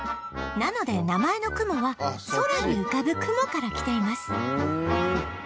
なので名前の「クモ」は空に浮かぶ「雲」からきています